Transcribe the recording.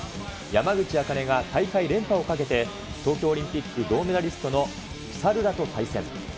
山口茜が大会連覇をかけて、東京オリンピック銅メダリストのプサルラと対戦。